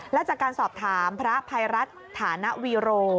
และจากการสอบถามพระภัยรัฐฐานวีโร